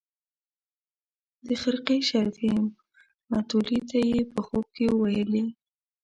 د خرقې شریفې متولي ته یې په خوب کې ویلي.